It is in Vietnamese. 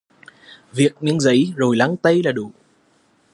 Viết miếng giấy rồi lăn tay là đủ